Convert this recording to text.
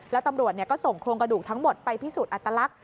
แล้วตำรวจก็ส่งโครงกระดูกทั้งหมดไปพิสูจน์อัตลักษณ